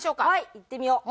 いってみよう。